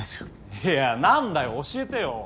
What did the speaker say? いやなんだよ教えてよ。